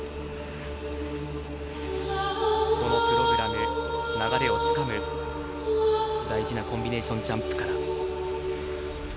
このプログラム流れをつかむ大事なコンビネーションジャンプから。